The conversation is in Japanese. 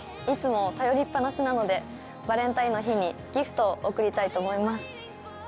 いつも頼りっ放しなのでバレンタインの日にギフトを贈りたいと思います。